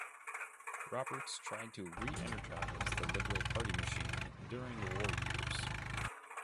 Roberts tried to re-energise the Liberal Party machine during the war years.